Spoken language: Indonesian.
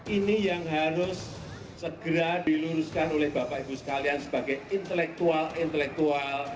ini yang harus segera diluruskan oleh bapak ibu sekalian sebagai intelektual intelektual